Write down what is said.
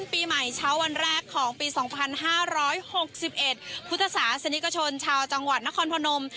ปีใหม่เช้าวันแรกของปีสองพันห้าร้อยหกสิบเอ็ดพุทธศาสตร์สนิกชนชาวจังหวัดนครพนม